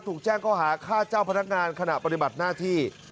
ถูกแจ้งข้อหาฆ่าเจ้าพนักงานขณะปฏิบัติหน้าที่